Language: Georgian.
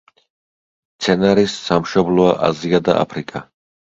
მცენარის სამშობლოა აზია და აფრიკა.